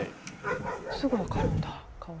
すぐ分かるんだ。